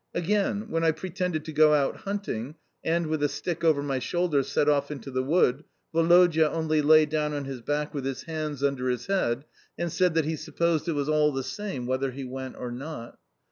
Again, when I pretended to go out hunting, and, with a stick over my shoulder, set off into the wood, Woloda only lay down on his back with his hands under his head, and said that he supposed it was all the same whether he went or not.